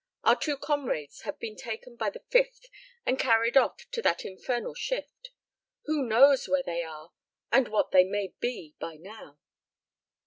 Our two comrades have been taken by the 5th and carried off to that infernal shift. Who knows where they are and what they may be by now!